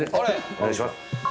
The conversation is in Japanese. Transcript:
お願いします。